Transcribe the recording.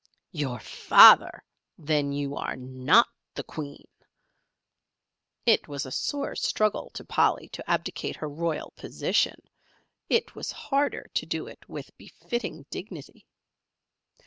"Your father! Then you are not the Queen!" It was a sore struggle to Polly to abdicate her royal position, it was harder to do it with befitting dignity.